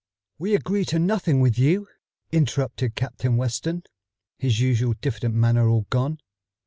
"We agree to nothing with you," interrupted Captain Weston, his usual diffident manner all gone.